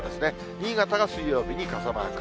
新潟が水曜日に傘マーク。